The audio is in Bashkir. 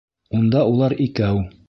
Унда улар икәү!